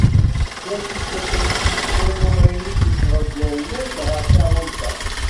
Yal tikkelt nsel s kra n umaynut yeffeɣ-d yerna-d ɣer taɣult-a.